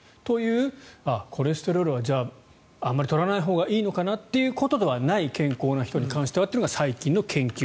コレステロールはじゃああまり取らないほうがいいのかなということではない健康な人に関してはというのが最近の研究